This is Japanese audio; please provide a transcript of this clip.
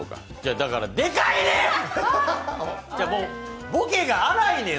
だからでかいねん！